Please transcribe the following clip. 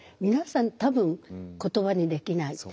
皆さん多分言葉にできない。